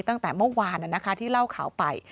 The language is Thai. ตั้งแต่เมื่อวานที่เล่าข่าวไป